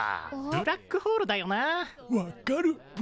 ブラックホールだ。